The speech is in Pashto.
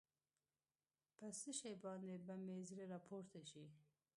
په څه شي باندې به مې زړه راپورته شي.